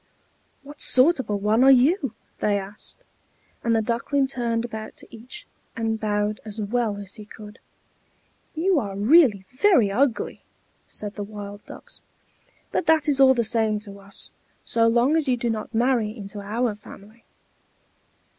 "What sort of a one are you?" they asked; and the Duckling turned about to each, and bowed as well as he could. "You are really very ugly!" said the Wild Ducks. "But that is all the same to us, so long as you do not marry into our family."